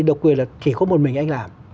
độc quyền là chỉ có một mình anh làm